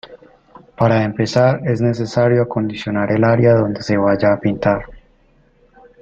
Para empezar, es necesario acondicionar el área donde se vaya a pintar.